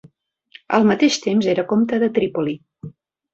Al mateix temps era comte de Trípoli.